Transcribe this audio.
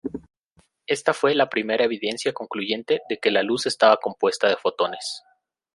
Ésta fue la primera evidencia concluyente de que la luz estaba compuesta de fotones.